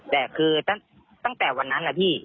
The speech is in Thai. แต่คือตั้งแต่วันนั้นนะพี่